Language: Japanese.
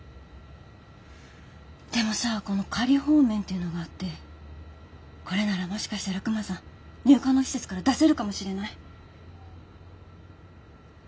でもさこの仮放免っていうのがあってこれならもしかしたらクマさん入管の施設から出せるかもしれない。